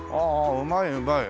うまいうまい。